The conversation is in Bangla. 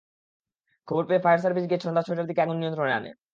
খবর পেয়ে ফায়ার সার্ভিস গিয়ে সন্ধ্যা ছয়টার দিকে আগুন নিয়ন্ত্রণে আনে।